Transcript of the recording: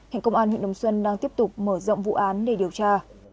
hiện công an huyện đồng xuân đang tiếp tục mở rộng vụ án để điều tra